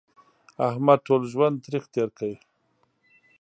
احمد ټول ژوند تریخ تېر کړ.